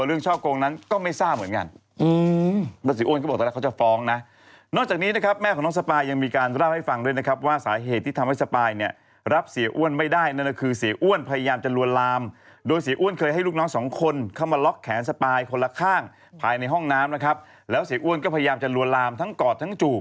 เรื่องเช่าโกงนั้นก็ไม่ทราบเหมือนกัน